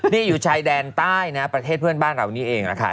นี่อยู่ชายแดนใต้นะประเทศเพื่อนบ้านเรานี่เองนะคะ